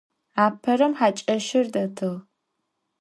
Aperem haç'eşır detığ.